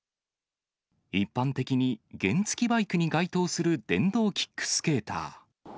一般的に原付バイクに該当する電動キックスケーター。